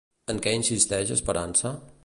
En què insisteix Esperança?